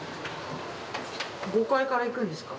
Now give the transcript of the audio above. ５階から行くんですか？